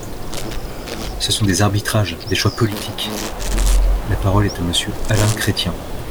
Ce sont des arbitrages, des choix politiques ! La parole est à Monsieur Alain Chrétien.